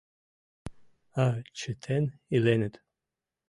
А чытен иленыт.